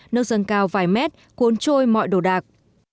nước dâng cao vài mét cuốn trôi mọi đồ đạc